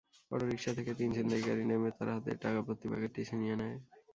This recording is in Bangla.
অটোরিকশা থেকে তিন ছিনতাইকারী নেমে তাঁর হাতে টাকাভর্তি প্যাকেটটি ছিনিয়ে নেয়।